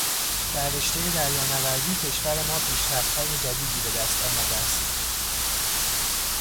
در رشتهٔ دریانوردی کشور ما پیشرفتهای جدیدی به دست آمده است.